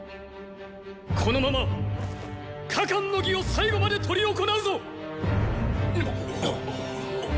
このまま加冠の儀を最後まで執り行うぞ！